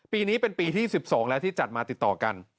ปีนี้เป็นปีที่๑๒แล้วที่จัดมาติดต่อกัน